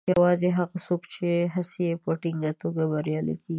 یوازې هغه څوک چې خپلې هڅې په ټینګه توګه کوي، بریالي کیږي.